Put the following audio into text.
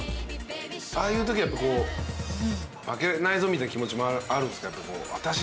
ああいうとき負けないぞみたいな気持ちもあるんですか？